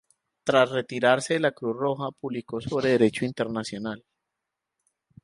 Tras retirarse de la Cruz Roja, publicó sobre derecho internacional.